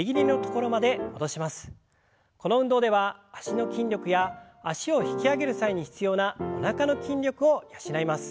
この運動では脚の筋力や脚を引き上げる際に必要なおなかの筋力を養います。